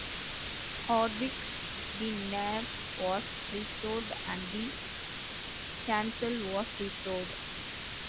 Hardwick, the nave was restored and the chancel was restored.